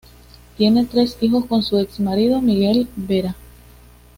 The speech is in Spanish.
Tiene tres hijos con su ex marido de Miguel Vera.